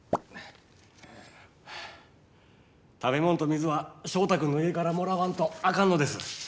食べもんと水はショウタくんの家からもらわんとあかんのです。